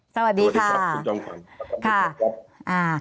สวัสดีค่ะคุณสามารถรู้จักนะคะ